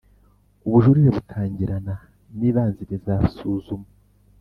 Ubujurire butangirana n ibanzirizasuzuma